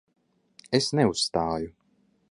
Es neuzstāju.